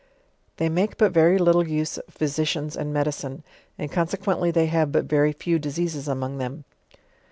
They make but very little use of physicians and medicine^ and consequently they have but very few diseases among them.